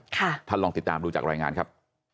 ท่านลองติดตามดูจากรายงานครับ